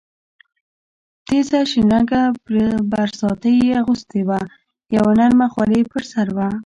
تېزه شین رنګه برساتۍ یې اغوستې وه، یوه نرمه خولۍ یې پر سر وه.